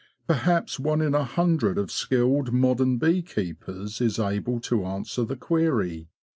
Perhaps one in a hundred of skilled modern bee keepers is able to answer the query.